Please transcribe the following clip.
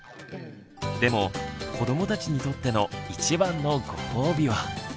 でも子どもたちにとっての一番のご褒美は。